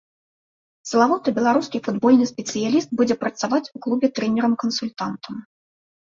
Славуты беларускі футбольны спецыяліст будзе працаваць у клубе трэнерам-кансультантам.